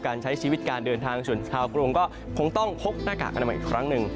การใช้ชีวิตการเดินทางส่วนชาวกรุงก็คงต้องพกหน้ากากอนามัยอีกครั้งหนึ่ง